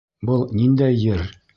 Был ниндәй ер?